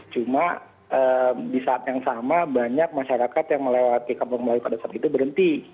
cuma di saat yang sama banyak masyarakat yang melewati kampung melayu pada saat itu berhenti